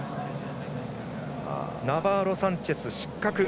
ナバーロサンチェス、失格。